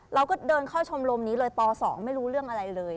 เราก็เดินเข้าชมรมนี้เลยป๒ไม่รู้เรื่องอะไรเลย